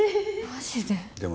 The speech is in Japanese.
マジで？